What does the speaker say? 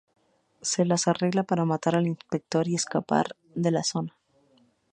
Se las arregla para matar al inspector y escapar de la zona.